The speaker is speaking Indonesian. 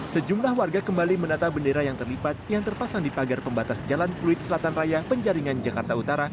sejumlah warga kembali menata bendera yang terlipat yang terpasang di pagar pembatas jalan fluid selatan raya penjaringan jakarta utara